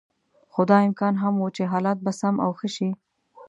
خو دا امکان هم و چې حالات به سم او ښه شي.